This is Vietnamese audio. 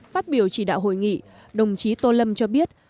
phát biểu chỉ đạo hội nghị đồng chí tô lâm cho biết